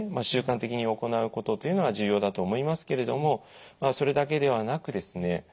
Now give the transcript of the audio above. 習慣的に行うことというのは重要だと思いますけれどもまあそれだけではなくですね